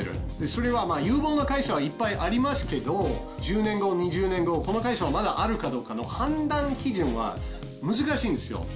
それは有望な会社はいっぱいありますけど、１０年後、２０年後、この会社はまだあるかどうかの判断基準は難しいんですよ。